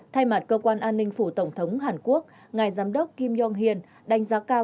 thay mặt cơ quan an ninh phủ tổng thống hàn quốc ngài giám đốc kim yong hion đánh giá cao